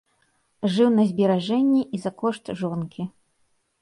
Жыў на зберажэнні і за кошт жонкі.